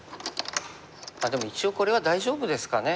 でも一応これは大丈夫ですかね。